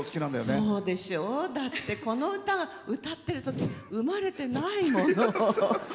そうでしょうだって、この歌、歌ってるとき生まれてないもの。